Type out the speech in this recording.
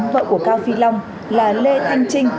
vợ của cao phi long là lê thanh trinh